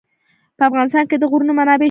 په افغانستان کې د غرونه منابع شته.